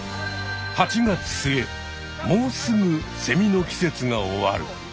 ８月末もうすぐセミの季節が終わる。